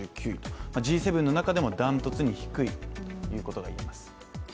Ｇ７の中でも断トツに低いということが言えます。